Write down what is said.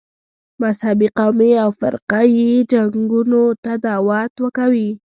مذهبي، قومي او فرقه یي جنګونو ته دعوت کوي.